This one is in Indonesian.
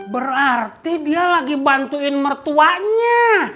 berarti dia lagi bantuin mertuanya